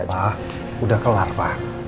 udah pak udah kelar pak